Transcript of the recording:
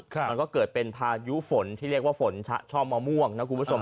มันก็เกิดเป็นพายุฝนที่เรียกว่าฝนชะช่อมะม่วงนะคุณผู้ชม